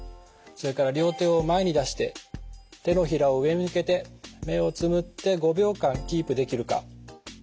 それから両手を前に出して手のひらを上に向けて目をつむって５秒間キープできるか。